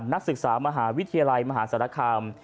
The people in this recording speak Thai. นักศึกษามหาวิทยาลัยมหาศาลคาม